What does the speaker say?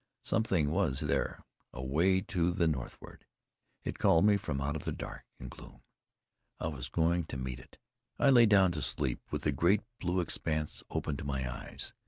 Something was there, away to the northward; it called to me from out of the dark and gloom; I was going to meet it. I lay down to sleep with the great blue expanse open to my eyes.